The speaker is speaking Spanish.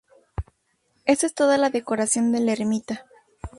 Esa es toda la decoración de la ermita.